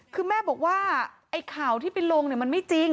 คือแม่บอกว่าไอ้ข่าวที่ไปลงเนี่ยมันไม่จริง